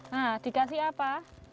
nah dikasih apa